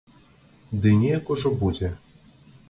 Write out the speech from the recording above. Ды неяк ужо будзе.